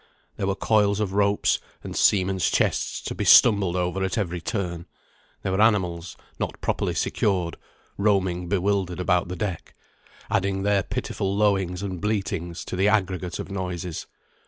There were coils of ropes and seamen's chests to be stumbled over at every turn; there were animals, not properly secured, roaming bewildered about the deck, adding their pitiful lowings and bleatings to the aggregate of noises.